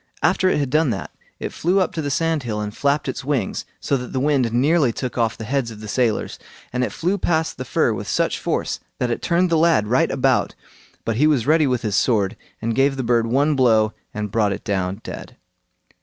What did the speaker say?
After it had done that, it flew up to the sandhill and flapped its wings, so that the wind nearly took off the heads of the sailors, and it flew past the fir with such force that it turned the lad right about, but he was ready with his sword, and gave the bird one blow and brought it down dead.